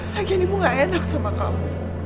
latihan ibu gak enak sama kamu